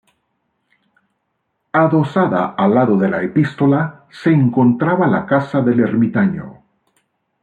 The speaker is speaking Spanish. Adosada al lado de la Epístola se encontraba la casa del ermitaño.